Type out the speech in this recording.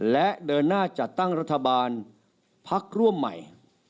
และเดินหน้าจัดตั้งรัฐบาลพักร่วมใหม่